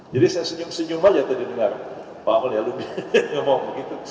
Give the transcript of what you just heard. jadi saya senyum senyum aja tadi dengar pak amel ya lebih ngomong begitu